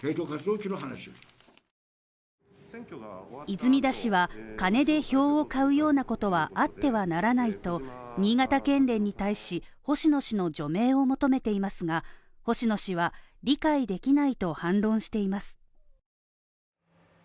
泉田氏は金で票を買うようなことはあってはならないと新潟県連に対し、星野氏の除名を求めていますが、星野氏は理解できないと反論しています。